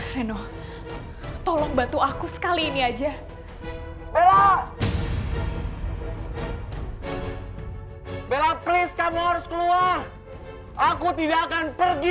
reno tolong bantu aku sekali ini aja bella place kamu harus keluar aku tidak akan pergi